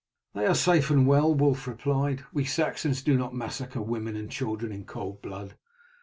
"They are safe and well," Wulf replied. "We Saxons do not massacre women and children in cold blood.